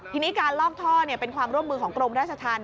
ทีนี้การลอกท่อเป็นความร่วมมือของกรมราชธรรม